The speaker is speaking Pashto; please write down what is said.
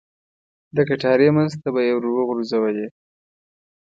د کټارې منځ ته به یې ور وغوځولې.